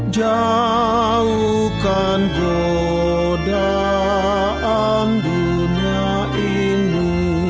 jauhkan godaan dunia ini